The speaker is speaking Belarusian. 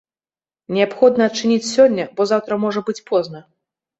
Неабходна адчыніць сёння, бо заўтра можа быць позна!